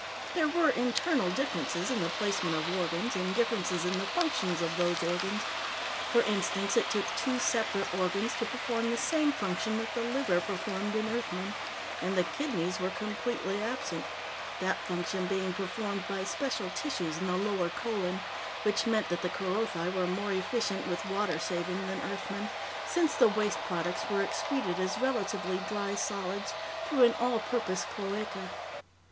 There were internal differences in the placement of organs, and differences in the functions of those organs. For instance, it took two separate organs to perform the same function that the liver performed in Earthmen, and the kidneys were completely absent, that function being performed by special tissues in the lower colon, which meant that the Kerothi were more efficient with water saving than Earthmen, since the waste products were excreted as relatively dry solids through an all purpose cloaca.